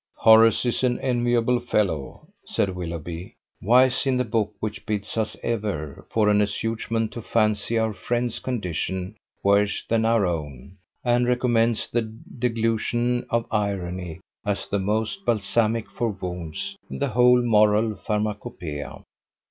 "Horace is an enviable fellow," said Willoughby, wise in The Book, which bids us ever, for an assuagement to fancy our friend's condition worse than our own, and recommends the deglutition of irony as the most balsamic for wounds in the whole moral pharmacopoeia.